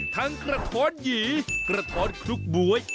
ทั้งกระท้อนหยี่กระท้อนคลุกบวย